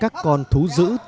các con thú dữ